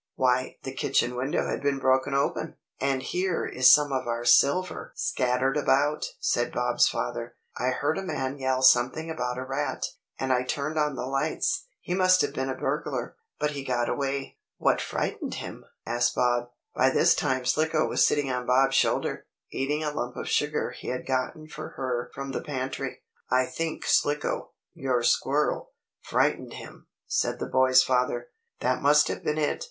"Why the kitchen window has been broken open, and here is some of our silver scattered about," said Bob's father. "I heard a man yell something about a rat, and I turned on the lights. He must have been a burglar, but he got away." "What frightened him?" asked Bob. By this time Slicko was sitting on Bob's shoulder, eating a lump of sugar he had gotten for her from the pantry. "I think Slicko, your squirrel, frightened him," said the boy's father. "That must have been it.